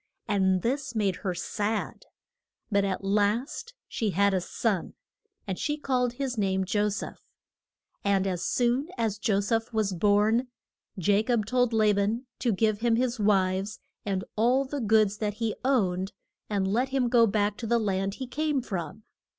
And this made her sad. But at last she had a son, and she called his name Jo seph. And as soon as Jo seph was born Ja cob told La ban to give him his wives and all the goods that he owned, and let him go back to the land he came from.